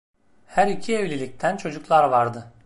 Her iki evlilikten çocuklar vardı.